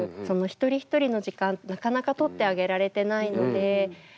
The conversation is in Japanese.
その一人一人の時間なかなか取ってあげられてないので。